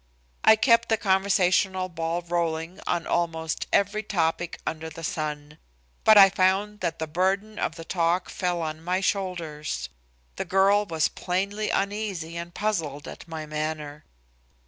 I kept the conversational ball rolling on almost every topic under the sun. But I found that the burden of the talk fell on my shoulders. The girl was plainly uneasy and puzzled at my manner.